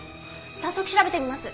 早速調べてみます。